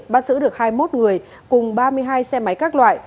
bắt giữ được hai mươi một người cùng ba mươi hai xe máy các loại